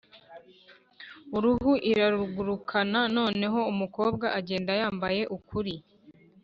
uruhu irarugurukana. noneho umukobwa agenda yambaye ukuri